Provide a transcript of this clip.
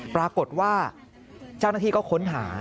ปรากฏว่าเจ้าหน้าที่ก็ค้นหา